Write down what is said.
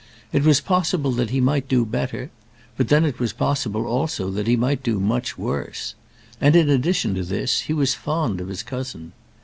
It was possible that he might do better; but then it was possible also that he might do much worse; and, in addition to this, he was fond of his cousin.